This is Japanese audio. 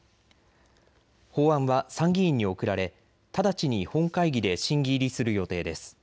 法案は参議院に送られ、直ちに本会議で審議入りする予定です。